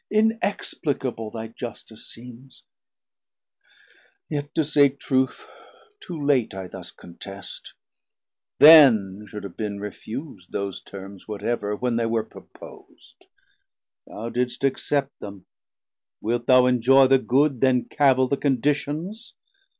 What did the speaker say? inexplicable Thy Justice seems; yet to say truth, too late, I thus contest; then should have been refusd Those terms whatever, when they were propos'd: Thou didst accept them; wilt thou enjoy the good, Then cavil the conditions?